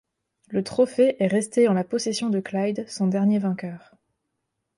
Le trophée est resté en la possession de Clyde, son dernier vainqueur.